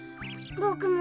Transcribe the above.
ボクも。